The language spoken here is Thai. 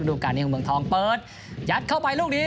รู้กันให้ทรงเปิดยัดเข้าไปลูกดี